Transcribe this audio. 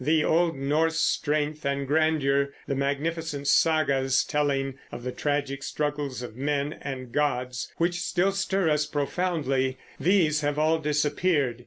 The old Norse strength and grandeur, the magnificent sagas telling of the tragic struggles of men and gods, which still stir us profoundly, these have all disappeared.